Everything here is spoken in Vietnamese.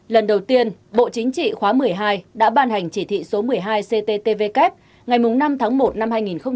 lần đầu tiên bộ chính trị khóa một mươi hai đã ban hành chỉ thị số một mươi hai cttvk ngày năm tháng một năm hai nghìn hai mươi